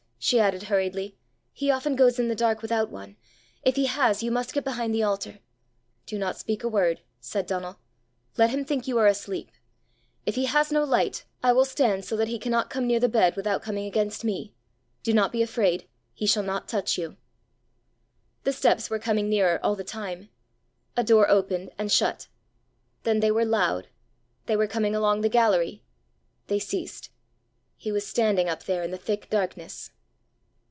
she added hurriedly. "He often goes in the dark without one. If he has you must get behind the altar." "Do not speak a word," said Donal; "let him think you are asleep. If he has no light, I will stand so that he cannot come near the bed without coming against me. Do not be afraid; he shall not touch you." The steps were coming nearer all the time. A door opened and shut. Then they were loud they were coming along the gallery! They ceased. He was standing up there in the thick darkness!